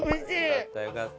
よかったよかった。